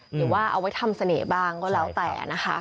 หรือว่าเอาไว้ทำเสน่ห์บ้างก็แล้วแต่นะคะ